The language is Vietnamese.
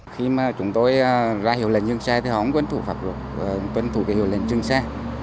khi mà chúng tôi ra hiệu lệnh dương xe thì họ không quân thủ pháp luật quân thủ cái hiệu lệnh dương xe